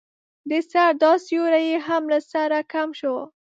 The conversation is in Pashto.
د سر دا سيوری يې هم له سره کم شو.